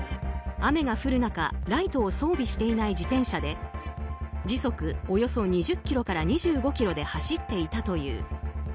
雨が降る中ライトを装備していない自転車で時速およそ２０キロから２５キロで走っていたという。